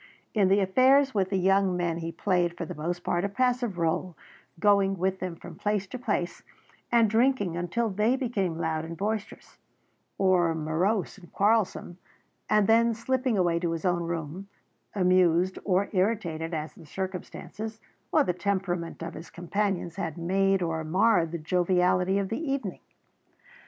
In the affairs with the young men he played, for the most part, a passive rôle, going with them from place to place and drinking until they became loud and boisterous, or morose and quarrelsome, and then slipping away to his own room, amused or irritated as the circumstances, or the temperament of his companions, had made or marred the joviality of the evening.